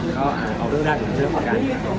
ก็เอาเรื่องด้านก่อนกัน